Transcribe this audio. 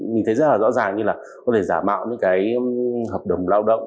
mình thấy rất là rõ ràng như là có thể giả mạo những cái hợp đồng lao động